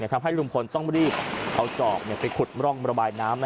ทำให้ลุงพลต้องรีบเอาจอบไปขุดร่องระบายน้ำ